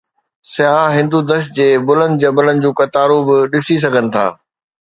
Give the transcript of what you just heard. سياح هندودش جي بلند جبلن جون قطارون به ڏسي سگهن ٿا.